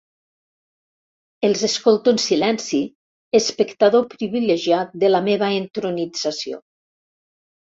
Els escolto en silenci, espectador privilegiat de la meva entronització.